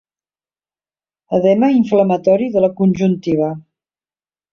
Edema inflamatori de la conjuntiva.